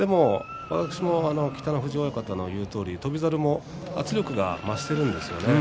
北の富士親方の言うとおり翔猿も圧力が増しているんですね。